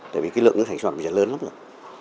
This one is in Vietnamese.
tại vì cái lượng nước thải sinh hoạt bây giờ lớn lắm rồi